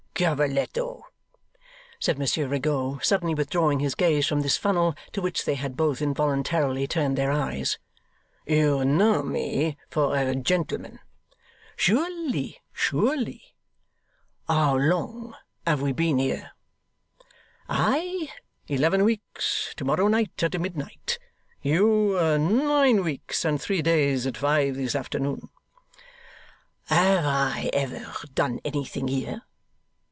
'Cavalletto,' said Monsieur Rigaud, suddenly withdrawing his gaze from this funnel to which they had both involuntarily turned their eyes, 'you know me for a gentleman?' 'Surely, surely!' 'How long have we been here?' 'I, eleven weeks, to morrow night at midnight. You, nine weeks and three days, at five this afternoon.' 'Have I ever done anything here?